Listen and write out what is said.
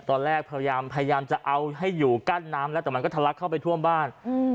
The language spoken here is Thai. พยายามพยายามจะเอาให้อยู่กั้นน้ำแล้วแต่มันก็ทะลักเข้าไปท่วมบ้าน